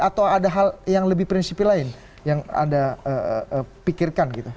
atau ada hal yang lebih prinsipi lain yang anda pikirkan gitu